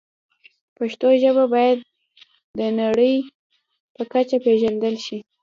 پښتو ژبه باید د نړۍ په کچه پېژندل شي.